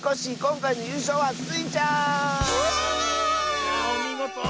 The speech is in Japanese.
いやおみごと。